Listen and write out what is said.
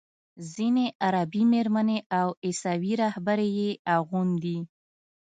ځینې عربي میرمنې او عیسوي راهبې یې اغوندي.